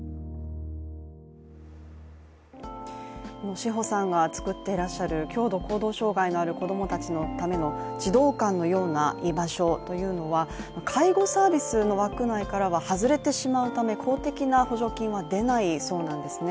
志穂さんが作っていらっしゃる強度行動障害のある子供たちのための児童館のような居場所というのは、介護サービスの枠内からは外れてしまうため公的な補助金は出ないそうなんですね。